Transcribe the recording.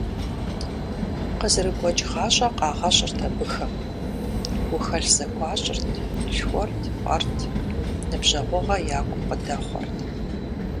Къызэрыгуэкӏ гъащӏэ къагъэщӏырт абыхэм: гухэлъ зэхуащӏырт, лъхуэрт-пӏэрт, ныбжьэгъугъэ яку къыдэхъуэрт.